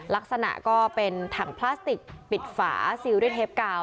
ลักษณะก็เป็นถังพลาสติกปิดฝาซิลด้วยเทปกาว